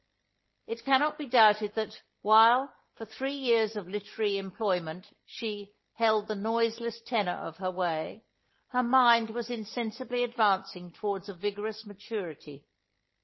It cannot be doubted that, while, for three years of literary employment, she "held the noiseless tenor of her way," her mind was insensibly advancing towards a vigorous maturity.